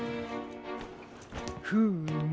フーム。